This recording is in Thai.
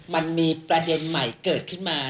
มันมีประเด็นใหม่เกิดขึ้นมา